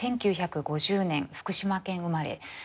１９５０年福島県生まれ。